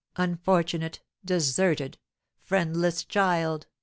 Unfortunate, deserted, friendless child!"